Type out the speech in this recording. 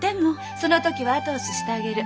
その時は後押ししてあげる。